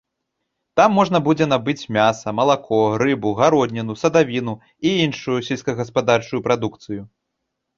Там можна будзе набыць мяса, малако, рыбу, гародніну, садавіну і іншую сельскагаспадарчую прадукцыю.